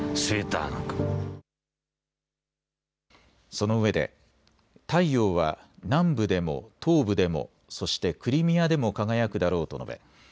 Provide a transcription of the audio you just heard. そのうえで太陽は南部でも東部でもそしてクリミアでも輝くだろうと述べ